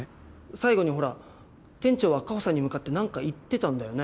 最後にほら店長は果帆さんに向かってなんか言ってたんだよね？